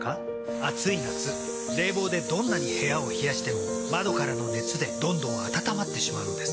暑い夏冷房でどんなに部屋を冷やしても窓からの熱でどんどん暖まってしまうんです。